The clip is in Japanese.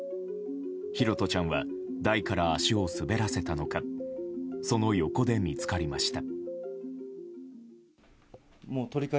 拓杜ちゃんは台から足を滑らせたのかその横で見つかりました。